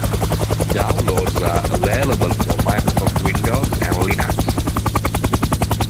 Downloads are available for Microsoft Windows and Linux.